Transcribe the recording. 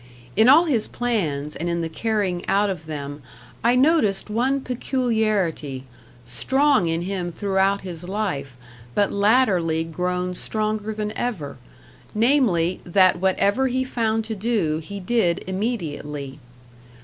In all his plans, and in the carrying out of them, I noticed one peculiarity, strong in him throughout his life, but latterly grown stronger than ever namely, that whatever he found to do, he did immediately.